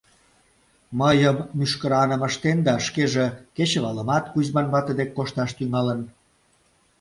— Мыйым мӱшкыраным ыштен да шкеже кечывалымат Кузьман вате дек кошташ тӱҥалын.